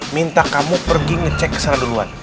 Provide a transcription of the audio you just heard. minta kamu pergi ngecek secara duluan